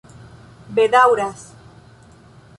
bedaŭras